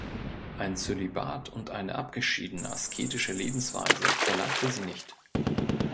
Ein Zölibat und eine abgeschiedene asketische Lebensweise verlangte sie nicht.